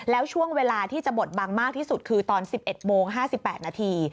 แล้วช่วงเวลาที่จะบดบังมากที่สุดคือตอน๑๑โมง๕๘นาที